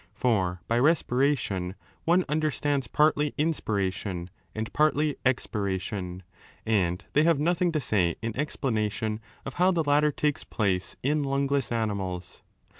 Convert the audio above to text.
For by respiration one understands partly in spiration and partly expiration, and they have nothing to say in explanation of how the latter takes place 4 in lungless animals.